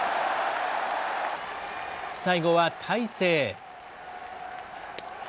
最後は大勢。